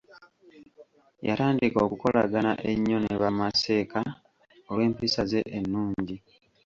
Yatandika okukolagana ennyo ne bamaseeka, olw'empisa ze ennungi.